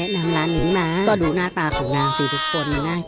จริงของคุณชิตา